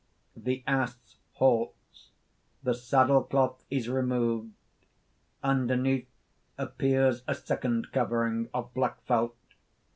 _ _The ass halts. The saddle cloth is removed. Underneath appears a second covering of black felt.